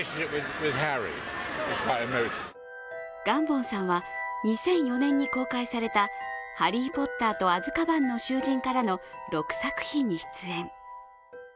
ガンボンさんは、２００４年に公開された「ハリー・ポッターとアズカバンの囚人」からの６作品に出演。